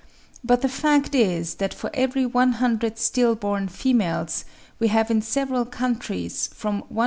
But the fact is, that for every 100 still born females, we have in several countries from 134.